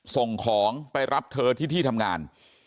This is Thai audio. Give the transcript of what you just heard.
ส่งของไปรับเธอที่ที่ทำงาน